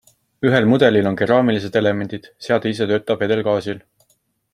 Ühel mudelil on keraamilised elemendid, seade ise töötab vedelgaasil.